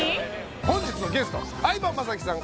本日のゲスト相葉雅紀さん